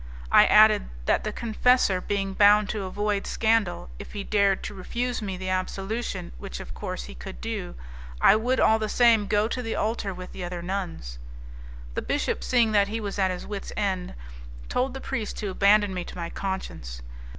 I added that the confessor being bound to avoid scandal, if he dared to refuse me the absolution, which, of course, he could do, I would all the same go to the altar with the other nuns. The bishop, seeing that he was at his wits' end, told the priest to abandon me to my conscience.